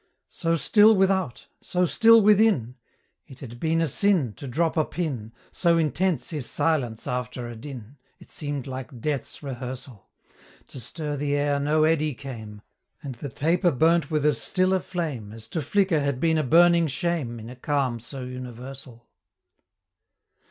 So still without, so still within; It had been a sin To drop a pin So intense is silence after a din, It seem'd like Death's rehearsal! To stir the air no eddy came; And the taper burnt with as still a flame, As to flicker had been a burning shame, In a calm so universal.